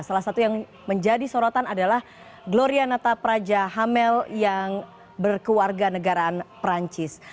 salah satu yang menjadi sorotan adalah gloria natapraja hamel yang berkeluarga negaraan perancis